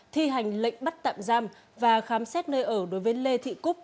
thi hành lệnh bắt tạm giam và khám xét nơi ở đối với lê thị cúc